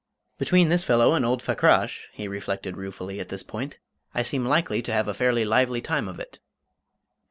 "Between this fellow and old Fakrash," he reflected ruefully, at this point, "I seem likely to have a fairly lively time of it!"